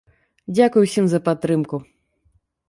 Дзякуй усім за падтрымку!